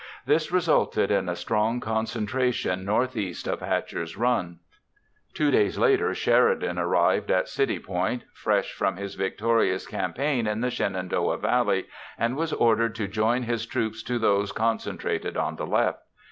This resulted in a strong concentration northeast of Hatcher's Run. Two days later Sheridan arrived at City Point, fresh from his victorious campaign in the Shenandoah Valley, and was ordered to join his troops to those concentrated on the left.